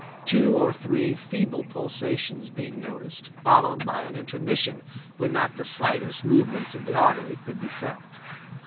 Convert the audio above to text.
Two or three feeble pulsations being noticed, followed by an intermission when not the slightest movements of the artery could be felt.